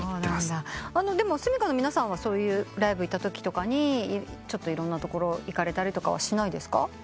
でもｓｕｍｉｋａの皆さんはライブ行ったときとかにいろんなところ行かれたりとかしないですか？